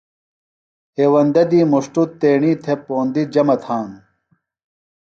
ہیوندہ دی مُݜٹوۡ تیݨی تھےۡ پوندی جمہ تھانوۡ۔